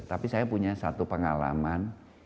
tapi saya punya satu pengalaman